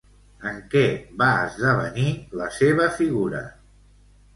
En què va esdevenir la seva figura?